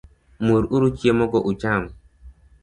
Mur uru chiemo go ucham